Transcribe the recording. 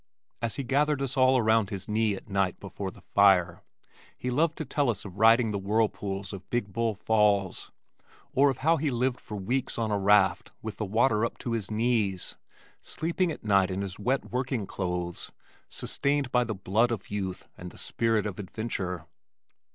As he gathered us all around his knee at night before the fire, he loved to tell us of riding the whirlpools of Big Bull Falls, or of how he lived for weeks on a raft with the water up to his knees (sleeping at night in his wet working clothes), sustained by the blood of youth and the spirit of adventure.